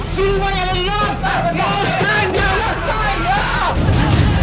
silman yang lewat mohonkan dia sama saya